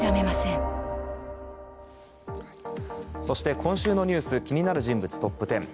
そして、今週のニュース気になる人物トップ１０。